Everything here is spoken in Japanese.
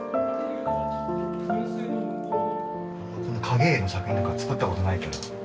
影絵の作品なんか作ったことないから。